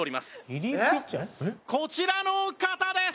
こちらの方です！